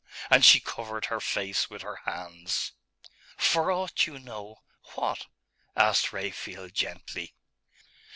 And she covered her face with her hands. 'For aught you know, what?' asked Raphael gently.